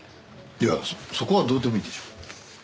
いやそこはどうでもいいでしょう。